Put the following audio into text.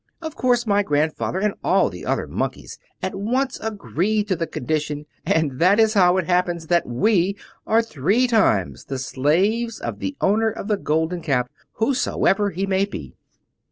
Of course my grandfather and all the other Monkeys at once agreed to the condition, and that is how it happens that we are three times the slaves of the owner of the Golden Cap, whosoever he may be."